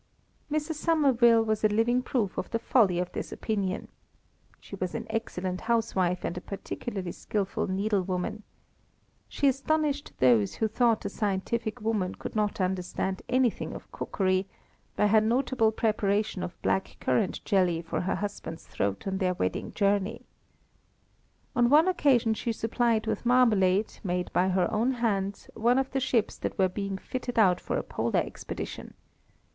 Mrs. Somerville was a living proof of the folly of this opinion. She was an excellent housewife and a particularly skilful needlewoman. She astonished those who thought a scientific woman could not understand anything of cookery, by her notable preparation of black currant jelly for her husband's throat on their wedding journey. On one occasion she supplied with marmalade, made by her own hands, one of the ships that were being fitted out for a Polar expedition.